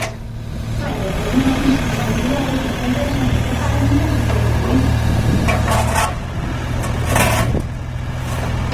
Falla, pero non asume responsabilidades, nin compensa, nin repara, nin tan sequera indemniza.